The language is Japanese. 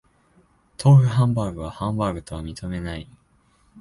豆腐ハンバーグはハンバーグとは認めない